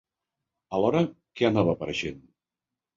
Alhora, què anava apareixent?